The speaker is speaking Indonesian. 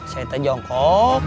saya teh jongkok